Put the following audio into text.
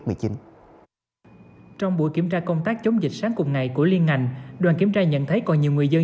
trong buổi kiểm tra công tác chống dịch sáng cùng ngày của liên ngành đoàn kiểm tra nhận thấy còn nhiều người dân